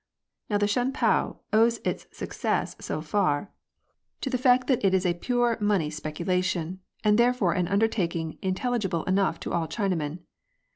Now the Shun pao owes its success so far to the fact that it is a pure JOURNALISM. 169 money speculation, and therefore an undertaking in telligible enough to all Chinamen.